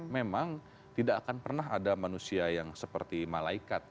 memang tidak akan pernah ada manusia yang seperti malaikat